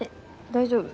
大丈夫？